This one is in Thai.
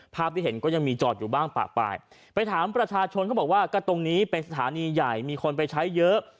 ภาพที่เห็นก็ยังมีจอดอยู่บ้างปากปลายไปถามประชาชนเขาบอกว่าก็ตรงนี้เป็นสถานีใหญ่มีคนไปใช้เยอะ